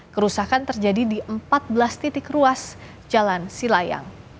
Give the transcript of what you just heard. kerusakan terjadi di empat belas titik ruas jalan silayang